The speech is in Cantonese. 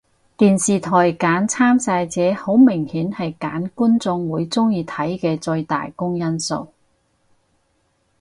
電視台揀參賽者好明顯係揀觀眾會鍾意睇嘅最大公因數